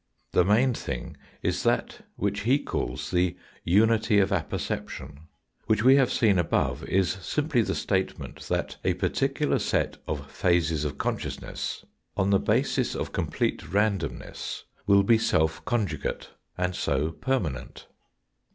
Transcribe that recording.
The main thing is that which he calls the unity of apperception, which we have seen above is simply the statement that a particular set of phases of consciousness on the basis of complete randomness will be self conjugate, and so permanent.